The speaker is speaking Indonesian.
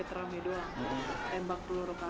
terus dijahit kan